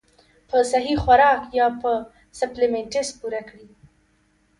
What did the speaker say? پۀ سهي خوراک يا پۀ سپليمنټس پوره کړي -